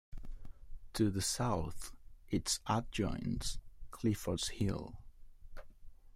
To the south, its adjoins Clifford's Hill.